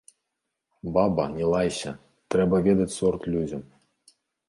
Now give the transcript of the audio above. Баба, не лайся, трэба ведаць сорт людзям.